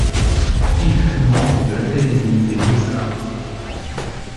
Il fut membre de l'Académie des beaux-arts.